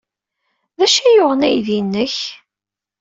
D acu ay yuɣen aydi-nnek?